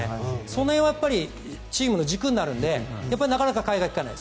その辺はチームの軸になってくるのでなかなか替えが利かない。